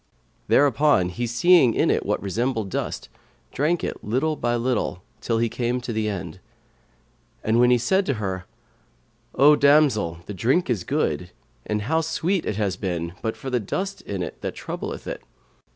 Thereupon he seeing in it what resembled dust, drank it, little by little, till he came to the end; when said he to her, "O damsel, the drink is good, and how sweet it had been but for this dust in it that troubleth it."